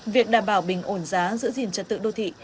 việc đảm bảo bình ổn giá giữ gìn trật tự đô thị